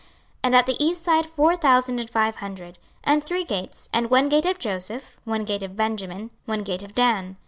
26:048:032 And at the east side four thousand and five hundred: and three gates; and one gate of Joseph, one gate of Benjamin, one gate of Dan.